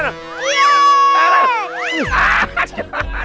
wah si bos tuh